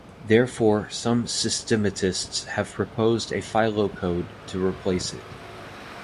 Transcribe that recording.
Therefore, some systematists have proposed a PhyloCode to replace it.